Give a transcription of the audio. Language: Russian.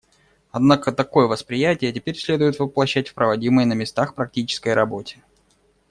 Однако такое восприятие теперь следует воплощать в проводимой на местах практической работе.